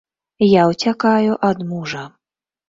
Я ўцякаю ад мужа.